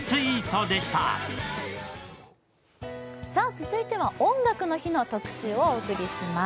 続いては「音楽の日」の特集をお送りします。